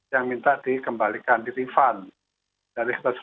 yang minta dikembalikan di refund